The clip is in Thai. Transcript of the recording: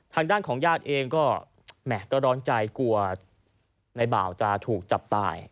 ทางด้านของญาติเองก็แหม่ก็ร้อนใจกลัวในบ่าวจะถูกจับตาย